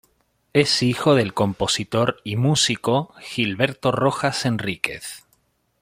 Es hijo del compositor y músico Gilberto Rojas Enríquez.